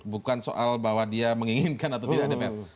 bukan soal bahwa dia menginginkan atau tidak dpr